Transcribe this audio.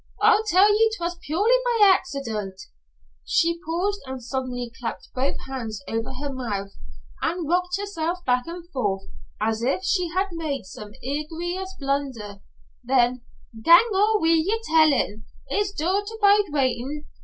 "I tell ye 'twas purely by accident " she paused and suddenly clapped both hands over her mouth and rocked herself back and forth as if she had made some egregious blunder, then: "Gang on wi' yer tellin'. It's dour to bide waitin'.